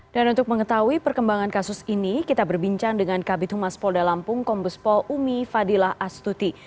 dan untuk mengetahui perkembangan kasus ini kita berbincang dengan kabit humas polda lampung kombus pol umi fadilah astuti